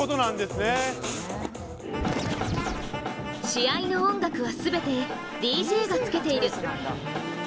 試合の音楽は全てＤＪがつけている。